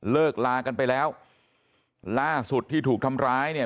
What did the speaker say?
เลิกลากันไปแล้วล่าสุดที่ถูกทำร้ายเนี่ย